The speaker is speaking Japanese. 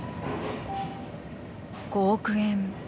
５億円。